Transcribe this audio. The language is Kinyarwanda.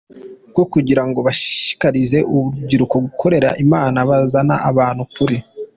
rwo kugira ngo bashishikarize urubyiruko gukorera Imana, bazana abantu kuri.